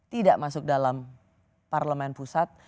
tidak masuk dalam parlemen pusat